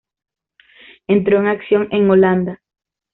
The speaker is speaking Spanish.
Entró en acción en Holanda.